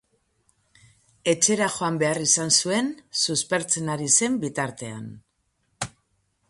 Etxera joan behar izan zuen, suspertzen ari zen bitartean.